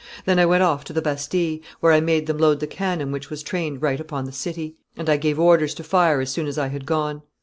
Then I went off to the Bastille, where I made them load the cannon which was trained right upon the city; and I gave orders to fire as soon as I had gone.